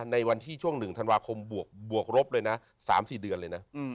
ในวันที่ช่วง๑ธันวาคมบวกรบเลยนะ๓๔เดือนเลยนะ